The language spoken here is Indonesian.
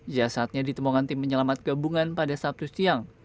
jasadnya ditemukan tim penyelamat gabungan pada sabtu siang